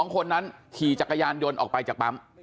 ๒คนนั้นขี่จักรยานยนต์ออกไปจากปั๊ม